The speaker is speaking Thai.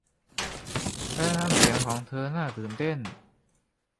และน้ำเสียงของเธอน่าตื่นเต้น